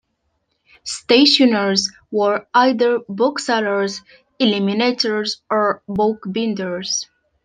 Stationers were either booksellers, illuminators, or bookbinders.